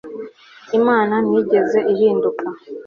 Imana ntiyigeze ihinduka